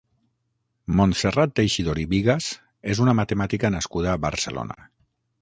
Montserrat Teixidor i Bigas és una matemàtica nascuda a Barcelona.